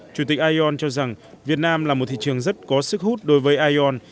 chủ tịch ion cho rằng việt nam là một thị trường rất có sức hút đối với ion